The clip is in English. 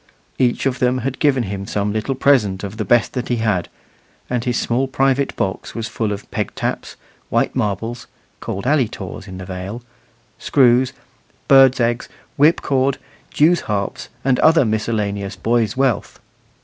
Each of them had given him some little present of the best that he had, and his small private box was full of peg taps, white marbles (called "alley taws" in the Vale), screws, birds' eggs, whip cord, jews harps, and other miscellaneous boys' wealth.